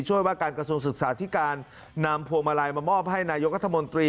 ช่วยว่าการกระทรวงศึกษาที่การนำพวงมาลัยมามอบให้นายกระทรวงศึกษา